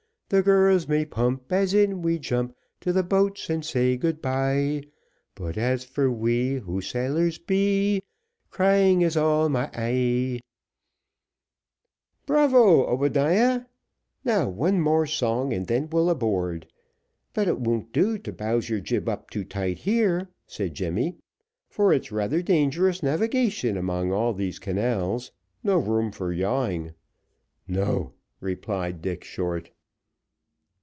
The girls may pump, As in we jump To the boat, and say, "Good bye;" But as for we, Who sailors be, Crying is all my eye. "Bravo, Obadiah! now one more song, and then we'll aboard. It won't do to bowse your jib up too tight here," said Jemmy; "for it's rather dangerous navigation among all these canals no room for yawing." "No," replied Dick Short.